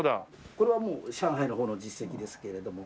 これはもう上海の方の実績ですけれども。